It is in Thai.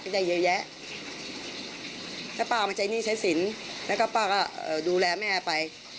ที่เคยอยู่ข้างหน้าอยู่ข้างหน้า